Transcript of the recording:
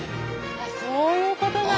そういうことなんだ。